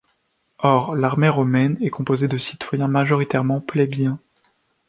Or l'armée romaine est composée de citoyens, majoritairement plébéiens.